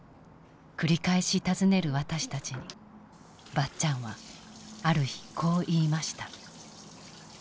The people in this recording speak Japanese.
繰り返し尋ねる私たちにばっちゃんはある日こう言いました。